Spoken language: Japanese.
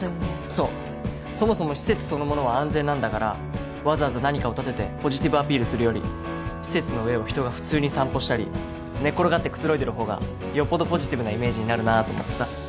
そうそもそも施設そのものは安全なんだからわざわざ何かを建ててポジティブアピールするより施設の上を人が普通に散歩したり寝っ転がってくつろいでる方がよっぽどポジティブなイメージになるなと思ってさ